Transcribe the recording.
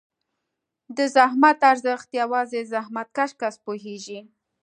د زحمت ارزښت یوازې زحمتکښ کس پوهېږي.